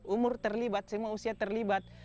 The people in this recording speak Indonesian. umur terlibat semua usia terlibat